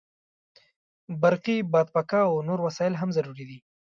برقي بادپکه او نور وسایل هم ضروري دي.